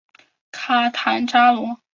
卡坦扎罗。